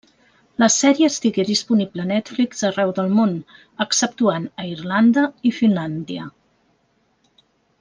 La sèrie estigué disponible a Netflix arreu del món, exceptuant a Irlanda i Finlàndia.